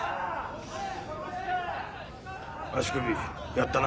足首やったな。